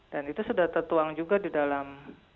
dan itu sudah tertuang juga di dalam